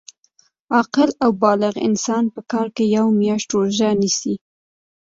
عاقل او بالغ انسان په کال کي یوه میاشت روژه نیسي